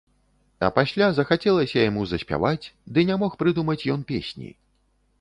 А пасля захацелася яму заспяваць, ды не мог прыдумаць ён песні.